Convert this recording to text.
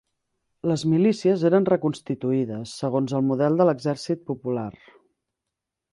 Les milícies eren reconstituïdes, segons el model de l'Exèrcit Popular